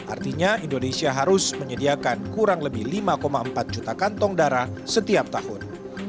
artinya indonesia harus menyediakan kurang lebih lima empat juta kantong darah setiap tahun